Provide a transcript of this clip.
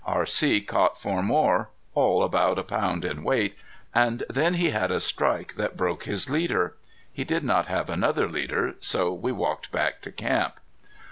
R.C. caught four more, all about a pound in weight, and then he had a strike that broke his leader. He did not have another leader, so we walked back to camp.